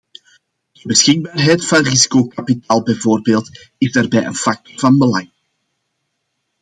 De beschikbaarheid van risicokapitaal bijvoorbeeld is daarbij een factor van belang.